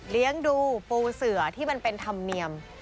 เลี้ยงดูปูเสือที่มันเป็นธรรมเนียม